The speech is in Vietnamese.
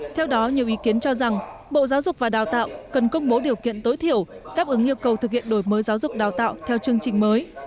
theo đó nhiều ý kiến cho rằng bộ giáo dục và đào tạo cần công bố điều kiện tối thiểu đáp ứng yêu cầu thực hiện đổi mới giáo dục đào tạo theo chương trình mới